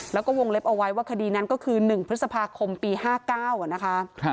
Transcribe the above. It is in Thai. แล้วก็วงเล็บเอาไว้ว่าคดีนั้นก็คือ๑พฤษภาคมปี๕๙นะคะ